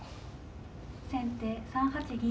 先手３八銀。